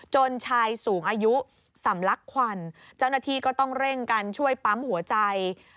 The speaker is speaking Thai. ชายสูงอายุสำลักควันเจ้าหน้าที่ก็ต้องเร่งกันช่วยปั๊มหัวใจ